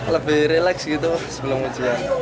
lebih relax gitu sebelum ujian